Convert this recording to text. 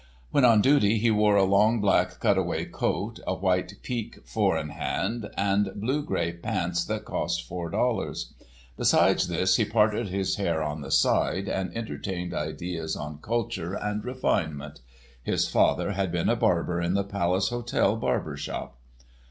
When on duty he wore a long black cutaway coat, a white pique four in hand and blue grey "pants" that cost four dollars. Besides this he parted his hair on the side and entertained ideas on culture and refinement. His father had been a barber in the Palace Hotel barber shop.